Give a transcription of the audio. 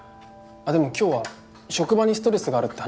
でも今日は職場にストレスがあるって話してくれたし。